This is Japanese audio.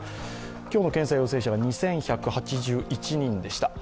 今日の検査陽性者が２１８１人でした。